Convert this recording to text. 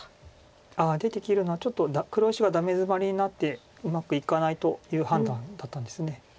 ああ出て切るのはちょっと黒石がダメヅマリになってうまくいかないという判断だったんです。